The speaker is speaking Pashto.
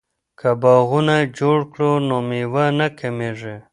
که باغونه جوړ کړو نو میوه نه کمیږي.